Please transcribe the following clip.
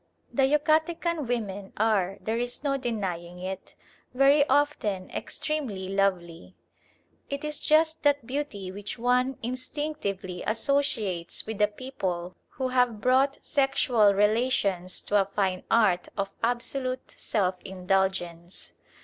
The Yucatecan women are, there is no denying it, very often extremely lovely. It is just that beauty which one instinctively associates with a people who have brought sexual relations to a fine art of absolute self indulgence.